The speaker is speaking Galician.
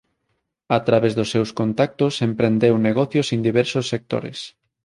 A través dos seus contactos emprendeu negocios en diversos sectores.